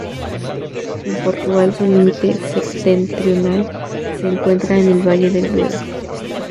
En Portugal su límite septentrional se encuentra en el valle del Duero.